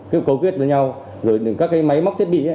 cấu quyết với nhau rồi các máy móc thiết bị